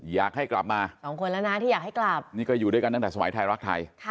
อยากให้กลับมานี่ก็อยู่ด้วยกันตั้งแต่สมัยไทรรักไทย